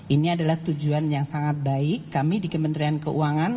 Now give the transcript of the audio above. ini adalah tujuan yang sangat baik kami di kementerian keuangan